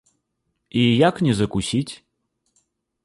І як не закусіць?